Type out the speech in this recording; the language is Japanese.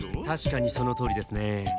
たしかにそのとおりですね。